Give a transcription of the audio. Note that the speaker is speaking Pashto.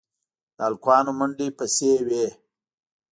د هلکانو منډې پسې وې.